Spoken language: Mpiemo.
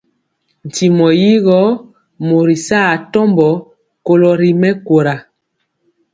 Ntimɔ yi gɔ mori saa atɔmbɔ kolo ri mɛkóra.